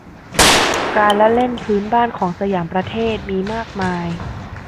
การละเล่นพื้นบ้านของสยามประเทศ มีมากมาย